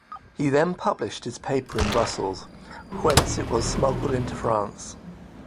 He then published his paper in Brussels, whence it was smuggled into France.